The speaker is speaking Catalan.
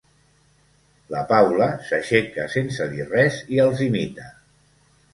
La Paula s'aixeca sense dir res i els imita.